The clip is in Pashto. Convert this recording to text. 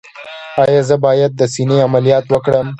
ایا زه باید د سینې عملیات وکړم؟